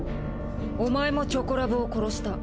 お前もチョコラブを殺した。